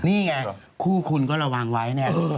นี่ไงคู่คุณก็ระวังไว้เนี่ย